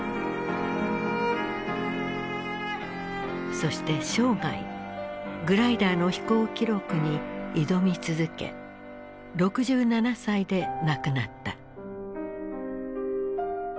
そして生涯グライダーの飛行記録に挑み続け６７歳で亡くなった。